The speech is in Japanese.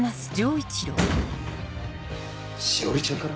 詩織ちゃんから？